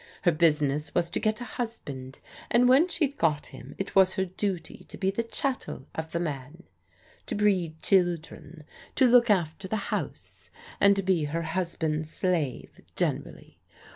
Her business was to get a husband, and when she'd got him it was her duty to be the chattel of the man, to breed children, to look after the house, and be her husband's slave, generally.